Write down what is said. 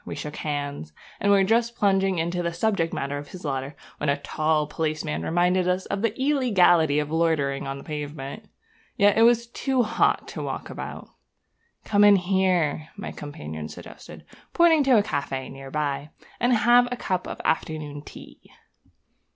We shook hands, and were just plunging into the subject matter of his letter when a tall policeman reminded us of the illegality of loitering on the pavement. Yet it was too hot to walk about. 'Come in here,' my companion suggested, pointing to a café near by, 'and have a cup of afternoon tea.'